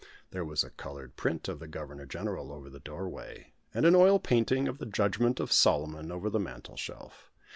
There was a coloured print of the Governor General over the doorway, and an oil painting of the Judgment of Solomon over the mantelshelf.